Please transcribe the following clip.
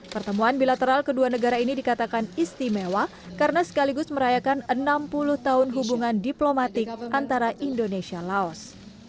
pertemuan bilateral kedua negara ini dikatakan istimewa karena sekaligus merayakan enam puluh tahun hubungan diplomatik antara indonesia laos